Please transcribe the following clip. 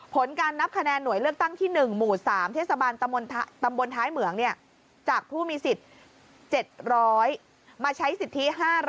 ผลการนับคะแนนหน่วยเลือกตั้งที่๑หมู่๓เทศบาลตำบลท้ายเหมืองจากผู้มีสิทธิ์๗๐๐มาใช้สิทธิ๕๐๐